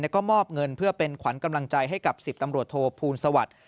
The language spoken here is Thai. ก็มอบเงินเพื่อเป็นขวัญกำลังใจให้กับ๑๐ตำรวจโทภูลสวัสดิ์